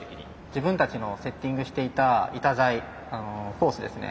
自分たちのセッティングしていた板材コースですね。